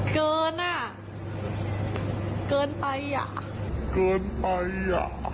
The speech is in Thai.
เกินอ่ะเกินไปอ่ะเกินไปอ่ะ